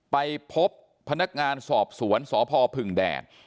ไปพบพนักงานสอบสวนสพพึ่งแดด